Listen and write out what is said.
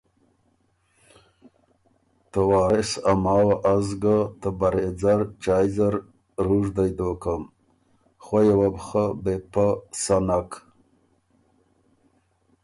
ته وارث ا ماوه از ګه ته برېځر چایٛ زر رُوژدئ دوکم، خویه وه بو خه بې پۀ سَۀ نک